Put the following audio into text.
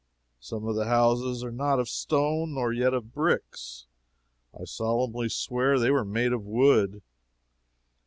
Some of the houses are not of stone, nor yet of bricks; I solemnly swear they are made of wood.